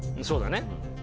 そうだね